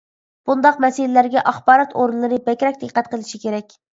بۇنداق مەسىلىلەرگە ئاخبارات ئورۇنلىرى بەكرەك دىققەت قىلىشى كېرەك.